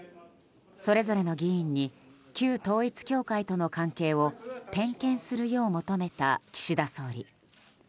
それぞれの議員に旧統一教会との関係を点検するよう求めた岸田総理。